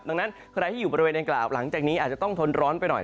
ดังนั้นใครที่อยู่บริเวณดังกล่าวหลังจากนี้อาจจะต้องทนร้อนไปหน่อย